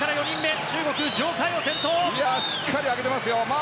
しっかり上げてます。